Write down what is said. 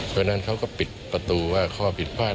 เพราะฉะนั้นเขาก็ปิดประตูว่าข้อผิดพลาด